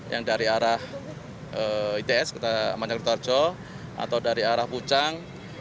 yang dari arah its kita manyalitarjo atau dari arah pucang